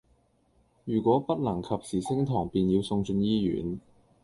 如果不能及時升糖便要送進醫院